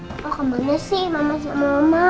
apa kemana sih mama sama oma